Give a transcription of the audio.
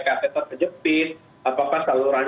katheter kejepit apakah saluran